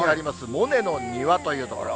モネの庭というところ。